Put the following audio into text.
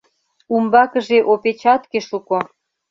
— Умбакыже опечатке шуко.